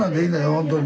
本当に。